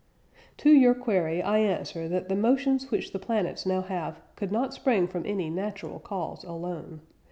"To your query I answer that the motions which the planets now have could not spring from any natural cause alone....